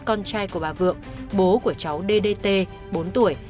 con trai của bà vượng bố của cháu ddt bốn tuổi